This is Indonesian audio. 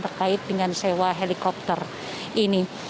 terkait dengan sewa helikopter ini